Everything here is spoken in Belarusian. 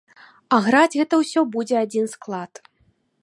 А граць гэта ўсё будзе адзін склад.